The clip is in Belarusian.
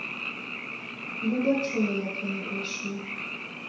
Люба чула, як яны пайшлі.